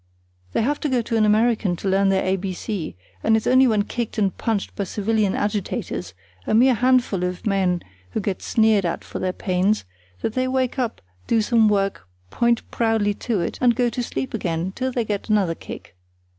They have to go to an American to learn their A B C, and it's only when kicked and punched by civilian agitators, a mere handful of men who get sneered at for their pains, that they wake up, do some work, point proudly to it, and go to sleep again, till they get another kick.